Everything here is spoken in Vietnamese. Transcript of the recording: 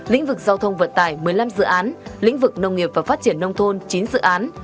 lĩnh vực giao thông vận tải một mươi năm dự án lĩnh vực nông nghiệp và phát triển nông thôn chín dự án